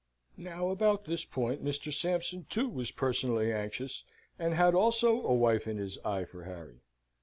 Now about this point Mr. Sampson, too, was personally anxious, and had also a wife in his eye for Harry.